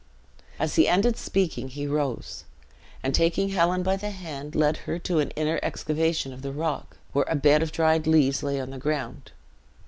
As he ended speaking, he rose; and taking Helen by the hand, led her into an inner excavation of the rock, where a bed of dried leaves lay on the ground.